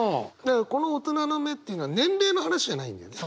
この「大人の目」っていうのは年齢の話じゃないんだよね？